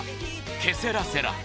「ケセラセラ」